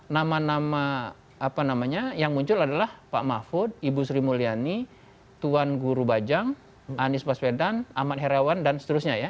nama nama apa namanya yang muncul adalah pak mahfud ibu sri mulyani tuan guru bajang anies baswedan ahmad herawan dan seterusnya ya